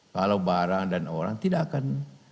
kalau barang dan orang tidak akan